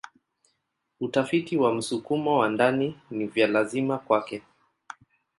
Utafiti na msukumo wa ndani ni vya lazima kwake.